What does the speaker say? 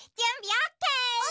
オッケー。